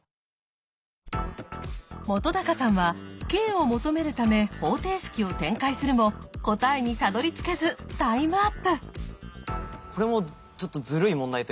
本さんはｋを求めるため方程式を展開するも答えにたどりつけずタイムアップ。